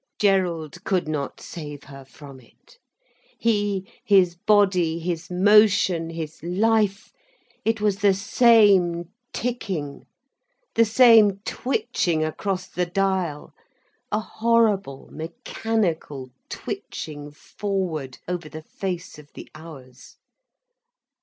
Gerald could not save her from it. He, his body, his motion, his life—it was the same ticking, the same twitching across the dial, a horrible mechanical twitching forward over the face of the hours.